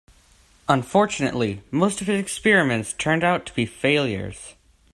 Unfortunately, most of his experiments turn out to be failures.